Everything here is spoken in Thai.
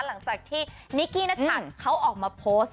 หลังจากที่นิกกี้นชัดเขาออกมาโพสต์